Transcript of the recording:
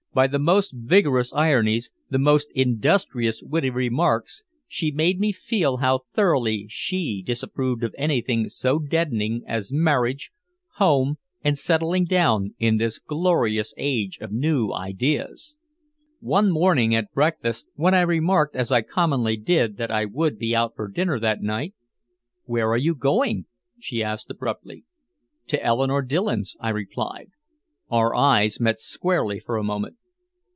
By the most vigorous ironies, the most industrious witty remarks, she made me feel how thoroughly she disapproved of anything so deadening as marriage, home and settling down, in this glorious age of new ideas. One morning at breakfast, when I remarked as I commonly did that I would be out for dinner that night, "Where are you going?" she asked abruptly. "To Eleanore Dillon's," I replied. Our eyes met squarely for a moment.